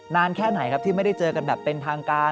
แค่ไหนครับที่ไม่ได้เจอกันแบบเป็นทางการ